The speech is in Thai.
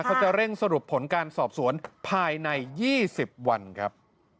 เขาจะเร่งสรุปผลการสอบสวนภายใน๒๐วันครับ